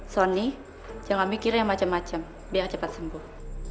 sony jangan mikirin yang macem macem biar cepat sembuh